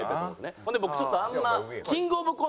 ほんで僕ちょっとあんま。